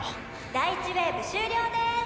「第１ウェーブ終了です！」